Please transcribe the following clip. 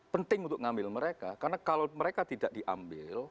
penting untuk ngambil mereka karena kalau mereka tidak diambil